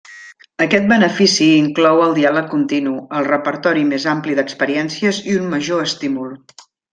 Aquest benefici inclou el diàleg continu, el repertori més ampli d'experiències i un major estímul.